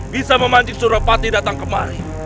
bisa memancing surapati datang kemari